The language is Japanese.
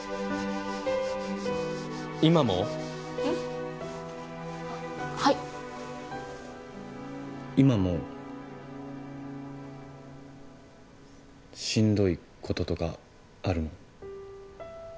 あっはい今もしんどいこととかあるの？